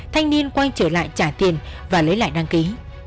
thanh niên quay trở lại trả tiền và lấy lại đăng ký